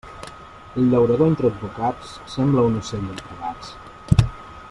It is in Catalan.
El llaurador entre advocats sembla un ocell entre gats.